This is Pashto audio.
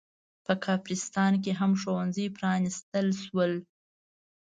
په کافرستان کې هم ښوونځي پرانستل شول.